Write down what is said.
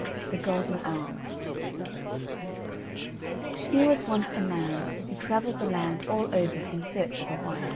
THE GOLDEN ARM Here was once a man who travelled the land all over in search of a wife.